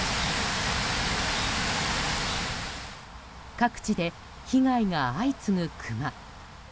各地で被害が相次ぐクマ。